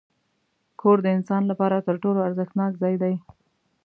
کور د انسان لپاره تر ټولو ارزښتناک ځای دی.